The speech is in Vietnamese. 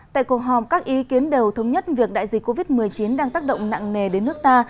tại cuộc họp các ý kiến đều thống nhất việc đại dịch covid một mươi chín đang tác động nặng nề đến nước ta